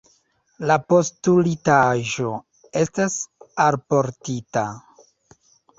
La postulitaĵo estas alportita.